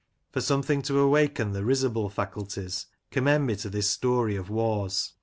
For something to awaken the risible faculties, commend me to this story of Waugh's.